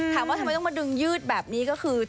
ถามว่าทำไมต้องมาดึงยืดแบบนี้ก็คือ